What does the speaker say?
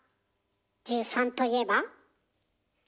１３といえば？